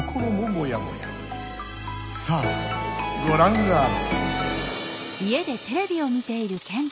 さあごらんあれ！